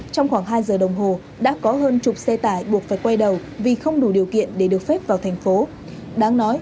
trong khoảng hai giờ đồng hồ đã có hơn chục xe tải buộc phải quay đầu vì không đủ điều kiện để được phép vào thành phố đáng nói